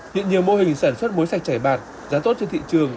hiện nhiều mô hình sản xuất muối sạch chảy bạt giá tốt trên thị trường